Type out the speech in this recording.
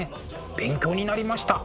勉強になりました。